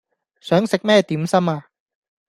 想食咩點心呀